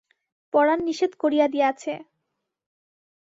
পরাণ নিষেধ করিয়া দিয়াছে।